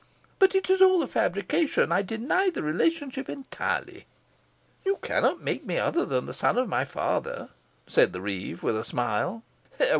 But it is all a fabrication. I deny the relationship entirely." "You cannot make me other than the son of my father," said the reeve, with a smile.